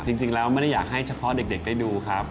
จริงแล้วไม่ได้อยากให้เฉพาะเด็กได้ดูครับ